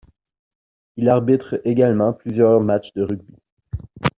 Il arbitre également plusieurs matchs de rugby.